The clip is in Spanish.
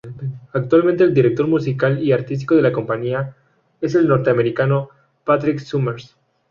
Actualmente el director musical y artístico de la compañía es el norteamericano Patrick Summers.